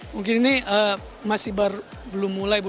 mungkin ini masih belum mulai bu